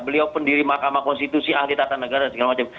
beliau pendiri mahkamah konstitusi ahli tata negara dan segala macam